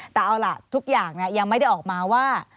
แต่เอาล่ะทุกอย่างยังไม่ได้ออกมาว่า